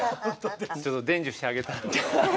ちょっと伝授してあげたら？